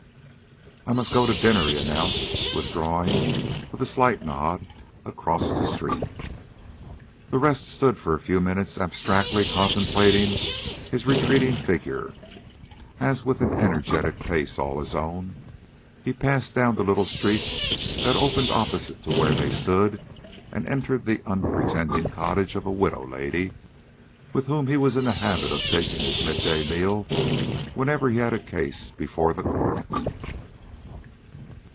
"I must go to dinner," he announced, withdrawing, with a slight nod, across the street. The rest stood for a few minutes abstractedly contemplating his retreating figure, as with an energetic pace all his own he passed down the little street that opened opposite to where they stood, and entered the unpretending cottage of a widow lady, with whom he was in the habit of taking his mid day meal whenever he had a case before the court.